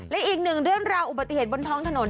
และอีกหนึ่งเรื่องราวอุบัติเหตุบนท้องถนน